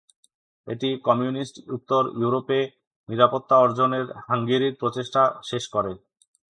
এটি কমিউনিস্ট-উত্তর ইউরোপে নিরাপত্তা অর্জনের হাঙ্গেরির প্রচেষ্টা শেষ করে।